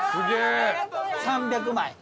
３００枚。